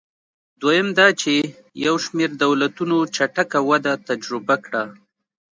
دویم دا چې یو شمېر دولتونو چټکه وده تجربه کړه.